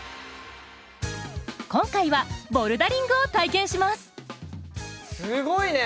今回はボルダリングを体験しますすごいね！